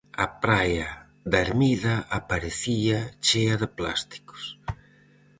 A praia da Hermida aparecía chea de plásticos.